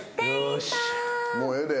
もうええで。